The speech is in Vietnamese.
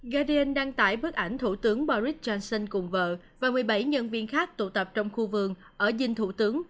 gardin đăng tải bức ảnh thủ tướng boris johnson cùng vợ và một mươi bảy nhân viên khác tụ tập trong khu vườn ở dinh thủ tướng